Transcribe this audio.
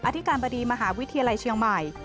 อธิการบดีมหาวิทยาลัยเชียงใหม่